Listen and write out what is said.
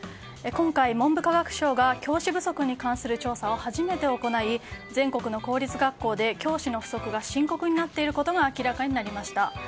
今回、文部科学省が教師不足に関する調査を初めて行い全国の公立学校で教師の不足が深刻になっていることが明らかになりました。